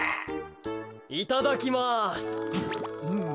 いただきます。